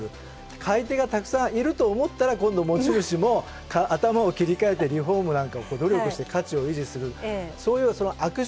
買い手がたくさんいると思ったら、今度、持ち主も頭を切り替えてリフォームなどで切り替えて、価値を出していく。